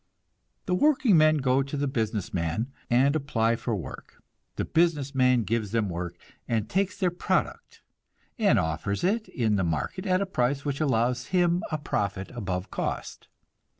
The working men go to the business man and apply for work. The business man gives them work, and takes their product, and offers it in the market at a price which allows him a profit above cost.